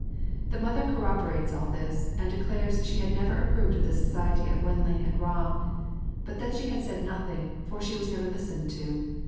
The mother corroborates all this, and declares she had never approved of the society of Wendling and Ramm, but that she had said nothing, for she was never listened to.